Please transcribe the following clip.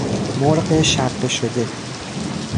مرغ شقه شده